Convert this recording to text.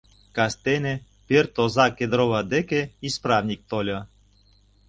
Кастене пӧрт оза Кедрова деке исправник тольо.